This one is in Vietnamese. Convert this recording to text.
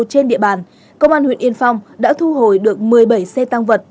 trên địa bàn công an huyện yên phong đã thu hồi được một mươi bảy xe tăng vật